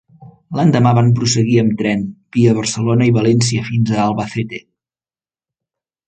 L'endemà van prosseguir amb tren, via Barcelona i València, fins a Albacete.